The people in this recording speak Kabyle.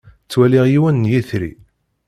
Ttwaliɣ yiwen n yetri.